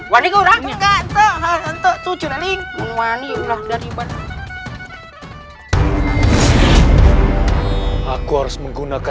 baiklah tahan sudah